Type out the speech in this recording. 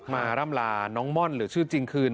ร่ำลาน้องม่อนหรือชื่อจริงคืน